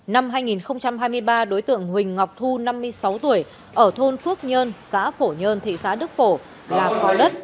năm hai nghìn hai mươi ba đối tượng huỳnh ngọc thu năm mươi sáu tuổi ở thôn phước nhơn xã phổ nhơn thị xã đức phổ là có đất